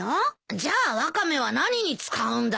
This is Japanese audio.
じゃあワカメは何に使うんだよ。